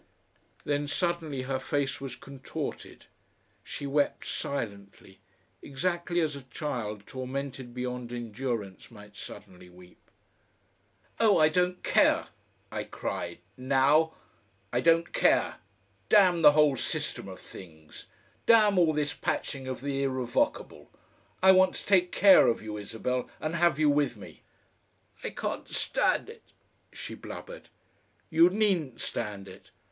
Then suddenly her face was contorted, she wept silently, exactly as a child tormented beyond endurance might suddenly weep.... "Oh! I don't care," I cried, "now. I don't care. Damn the whole system of things! Damn all this patching of the irrevocable! I want to take care of you, Isabel! and have you with me." "I can't stand it," she blubbered. "You needn't stand it.